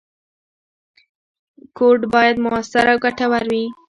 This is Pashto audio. کوډ باید موثر او ګټور وي.